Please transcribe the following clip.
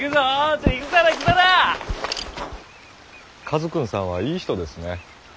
カズくんさんはいい人ですね。